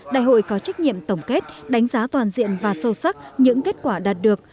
đại hội có trách nhiệm tổng kết đánh giá toàn diện và sâu sắc những kết quả đạt được